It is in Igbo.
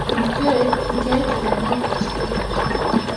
nke e kèrè n'ụbọchị dịkà taa